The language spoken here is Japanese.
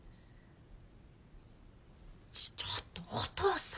ちょっとお父さん。